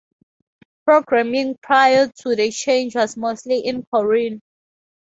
Programming prior to the change was mostly in Korean.